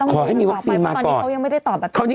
ขอให้มีแว็กซ์ทีมก่อน